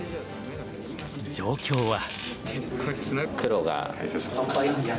状況は。